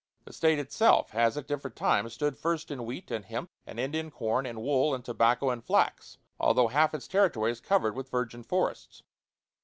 The State itself has at different times stood first in wheat and hemp and Indian corn and wool and tobacco and flax, although half its territory is covered with virgin forests.